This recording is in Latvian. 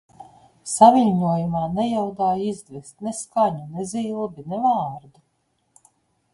Saviļņojumā nejaudāju izdvest ne skaņu, ne zilbi, ne vārdu.